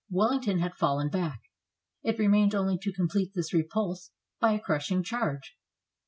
Wellington had fallen back. It remained only to complete this repulse by a crushing charge.